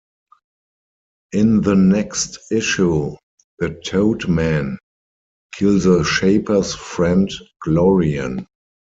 In the next issue, the Toad Men kill the Shaper's friend, Glorian.